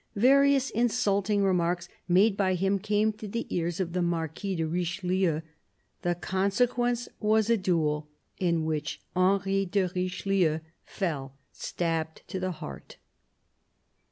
Various insulting remarks made by him came to the ears of the Marquis de Richelieu ; the consequence was a duel, in which Henry de Richelieu fell, stabbed to the heart.